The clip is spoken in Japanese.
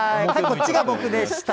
こっちが僕でした。